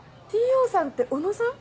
Ｔ・Ｏさんって小野さん？